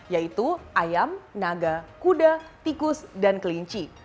yaitu ayam naga kuda tikus dan kelinci